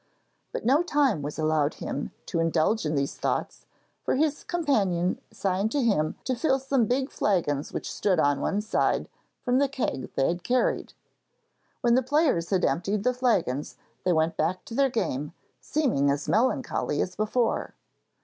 But no time was allowed him to indulge in these thoughts, for his companion signed to him to fill some big flagons which stood on one side, from the keg they had carried. When the players had emptied the flagons, they went back to their game, seeming as melancholy as before.